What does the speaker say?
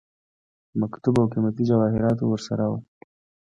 مکتوب او قيمتي جواهراتو ورسره وه.